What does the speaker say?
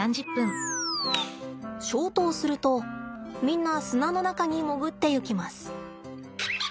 消灯するとみんな砂の中に潜っていきます。